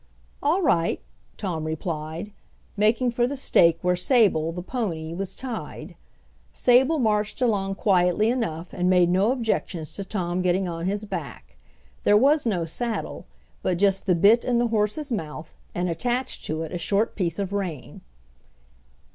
"All right!" Tom replied, making for the stake where Sable, the pony, was tied. Sable marched along quietly enough and made no objections to Tom getting on his back. There was no saddle, but just the bit in the horse's mouth and attached to it a short piece of rein.